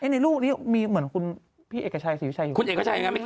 ในลูกนี้มีเหมือนพี่เอกชัยสิวิชัยอยู่